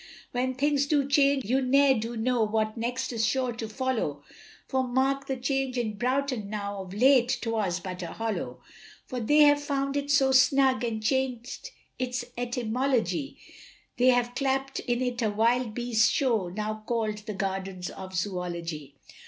When things do change you ne'er do know what next is sure to follow, For mark the change in Broughton now, of late 'twas but a hollow For they have found it so snug, and chang'd its etymology, They have clapt in it a wild beast's show, now call'd the Gardens of Zoology.